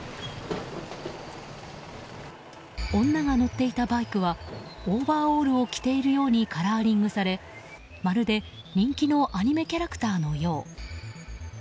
女が乗っていたバイクはオーバーオールを着ているようにカラーリングされ、まるで人気のアニメキャラクターのよう。